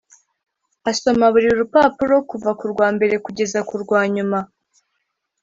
asoma buri rupapuro kuva ku rwa mbere kugeza ku rwa nyuma